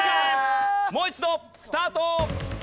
もう一度スタート。